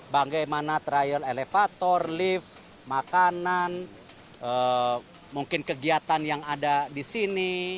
bagaimana trial elevator lift makanan mungkin kegiatan yang ada di sini